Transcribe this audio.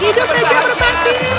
hidup raja merpati